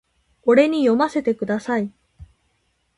俺に読ませてください